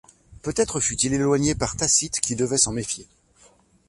Peut-être fut-il éloigné par Tacite qui devait s'en méfier.